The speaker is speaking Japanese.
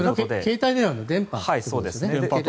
携帯電話の電波ということですね。